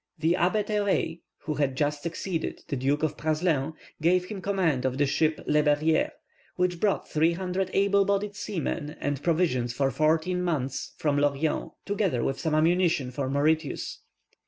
The Abbé Terray, who had just succeeded the Duke of Praslin, gave him command of the ship Le Berryer, which brought 300 able bodied seamen and provisions for fourteen months from Lorient, together with some ammunition for Mauritius.